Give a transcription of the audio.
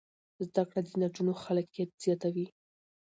زده کړه د نجونو خلاقیت زیاتوي.